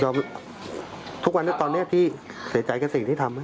ทุกวันนี้ตอนนี้พี่เสียใจกับสิ่งที่ทำให้